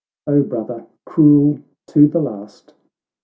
—" O brother ! cruel to the last!"